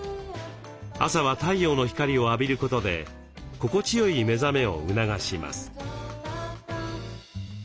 朝は太陽の光を浴びることで心地よい目覚めを促します。